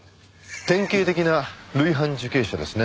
典型的な累犯受刑者ですね。